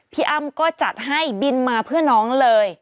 พี่อั้มก็จัดให้บินมาเพื่อนน้องเลย